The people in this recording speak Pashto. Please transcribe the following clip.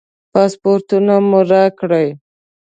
پاسپورټونه مو راکړئ.